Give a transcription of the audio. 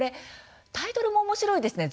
タイトルも、おもしろいですね